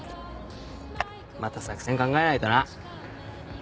また作戦考えないとな。